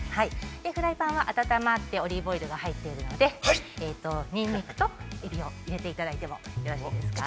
フライパンは温まって、オリーブオイルが入っているので、ニンニクとエビを入れていただいてもよろしいですか。